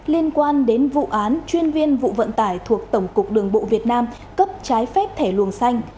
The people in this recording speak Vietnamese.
liên quan đến vụ án chuyên viên vụ vận tải thuộc tổng cục đường bộ việt nam cấp trái phép thẻ luồng xanh